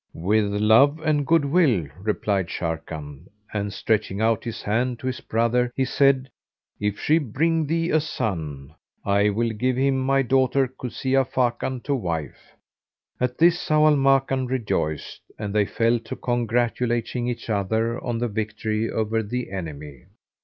"With love and good will, replied Sharrkan; and, stretching out his hand to his brother, he said, If she bring thee a son, I will give him my daughter Kuzia Fakan, to wife." At this Zau al Makan rejoiced, and they fell to congratulating each other on the victory over the enemy.